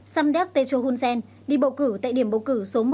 sam dek techo hun sen đi bầu cử tại điểm bầu cử số một nghìn sáu trăm chín mươi bảy